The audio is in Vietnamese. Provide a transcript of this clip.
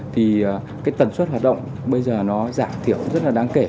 thì cái tần suất hoạt động bây giờ nó giảm thiểu rất là đáng kể